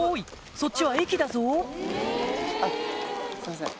そっちは駅だぞあっすいません。